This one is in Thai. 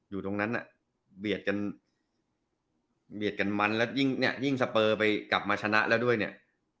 อยู่ตรงนั้นเบียดกันมันแล้วยิ่งสเปอร์กลับมาชนะแล้วด้วยเนี่ย